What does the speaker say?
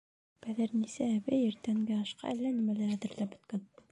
Бәҙерниса әбей иртәнге ашҡа әллә нимәләр әҙерләп бөткән.